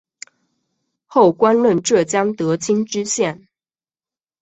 后官任浙江德清知县。